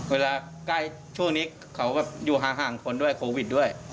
เวลาใกล้ช่วงนี้เขาอยู่ห่างคนด้วยโควิดด้วย